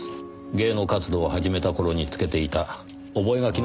芸能活動を始めた頃につけていた覚え書きのようですねぇ。